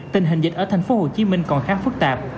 tình hình dịch ở tp hcm còn khá phức tạp